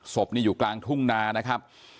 ศพอยู่กลางทุ่งนา